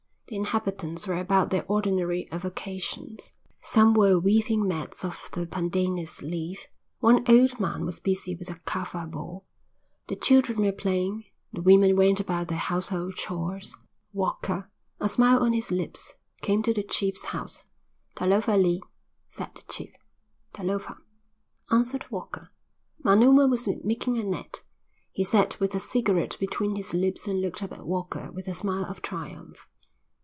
The inhabitants were about their ordinary avocations. Some were weaving mats of the pandanus leaf, one old man was busy with a kava bowl, the children were playing, the women went about their household chores. Walker, a smile on his lips, came to the chief's house. "Talofa li," said the chief. "Talofa," answered Walker. Manuma was making a net. He sat with a cigarette between his lips and looked up at Walker with a smile of triumph.